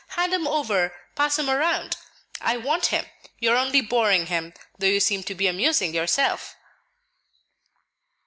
Hand him over; pass him around. I want him; you are only boring him, though you seem to be amusing yourself."